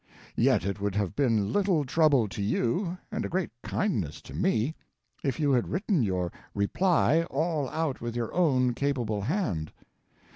Yet it would have been little trouble to you, and a great kindness to me, if you had written your Reply all out with your own capable hand.